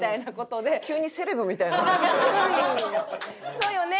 「そうよね」